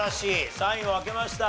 ３位を開けました。